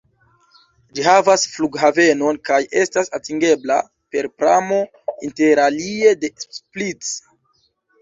Ĝi havas flughavenon kaj estas atingebla per pramo interalie de Split.